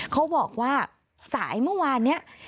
เขาบอกว่าสายเมื่อวานนี้